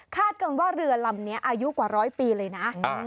กันว่าเรือลำนี้อายุกว่าร้อยปีเลยนะ